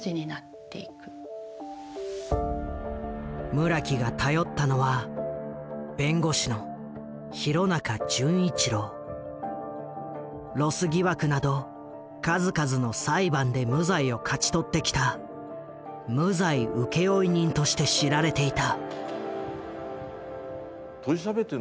村木が頼ったのはロス疑惑など数々の裁判で無罪を勝ち取ってきた「無罪請負人」として知られていた。